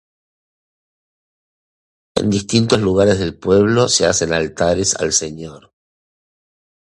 En distintos lugares del pueblo se hacen altares al Señor.